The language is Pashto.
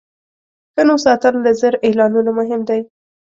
ښه نوم ساتل له زر اعلانونو مهم دی.